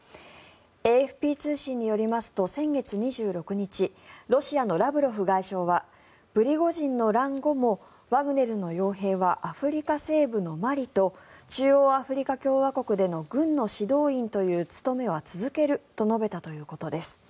ＡＦＰ通信によりますと先月２６日ロシアのラブロフ外相はプリゴジンの乱後もワグネルの傭兵はアフリカ西部のマリと中央アフリカ共和国での軍の指導員という務めは続けると述べたということです。